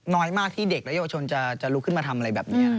น้อยมากที่เด็กและเยาวชนจะลุกขึ้นมาทำอะไรแบบนี้